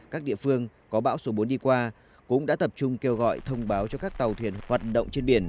các địa phương có bão số bốn đi qua cũng đã tập trung kêu gọi thông báo cho các tàu thuyền hoạt động trên biển